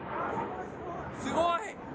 すごい！